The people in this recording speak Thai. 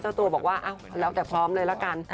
เจ้าตัวบอกว่าแล้วแต่พร้อมเลยละกัน